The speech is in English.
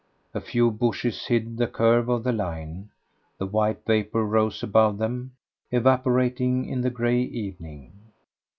A few bushes hid the curve of the line; the white vapour rose above them, evaporating in the grey evening.